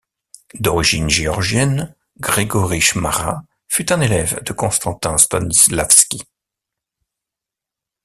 D'origine géorgienne, Gregori Chmara fut un élève de Constantin Stanislavski.